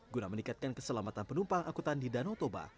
guna meningkatkan keselamatan penumpang akutan di danau toba